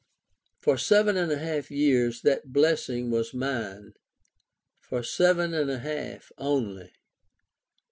For seven and a half years that blessing was mine; for seven and a half only!